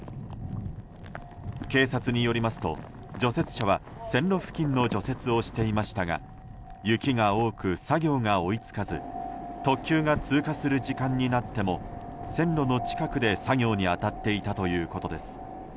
警察によりますと、除雪車は線路付近の除雪をしていましたが雪が多く、作業が追い付かず特急が通過する時間になっても線路の近くで作業に当たっていたということです。